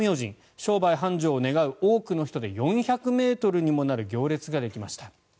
商売繁盛を願う多くの人で４００ｍにもなる行列ができました。